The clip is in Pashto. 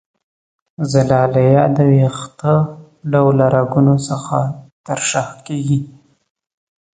زلالیه د وېښته ډوله رګونو څخه ترشح کیږي.